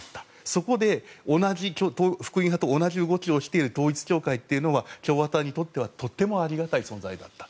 そこで福音派と同じ動きをしている統一教会は共和党にとってはとてもありがたい存在だった。